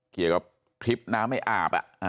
เกี่ยวกับทริปน้ำไม่อาบ